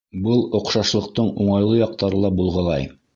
Был оҡшашлыҡтың уңайлы яҡтары ла булғылай...